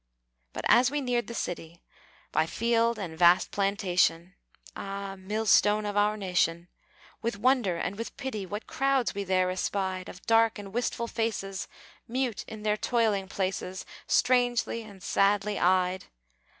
But as we neared the city, By field and vast plantation (Ah! millstone of our nation!), With wonder and with pity, What crowds we there espied Of dark and wistful faces, Mute in their toiling places, Strangely and sadly eyed.